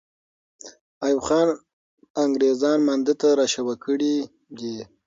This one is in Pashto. ایوب خان انګریزان مانده ته را شوه کړي دي.